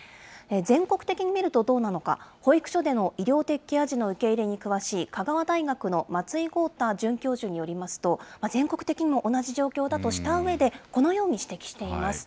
全国的に見るとどうなのか、保育所での医療的ケア児の受け入れに詳しい香川大学の松井剛太准教授によりますと、全国的にも同じ状況だとしたうえで、このように指摘しています。